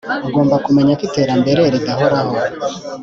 Ugomba kumenya ko iterambere ridahoraho